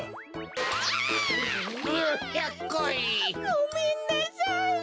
ごめんなさい！